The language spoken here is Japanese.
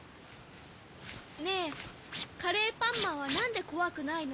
ねぇカレーパンマンはなんでこわくないの？